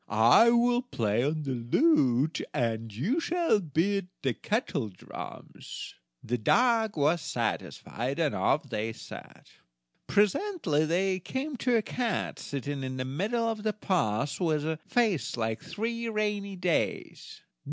I will play on the lute, and you shall beat the kettledrums." The dog was satisfied, and off they set. Presently they came to a cat, sitting in the middle of the path, with a face like three rainy days!